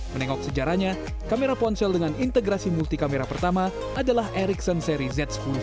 menengok sejarahnya kamera ponsel dengan integrasi multi kamera pertama adalah ericson seri z sepuluh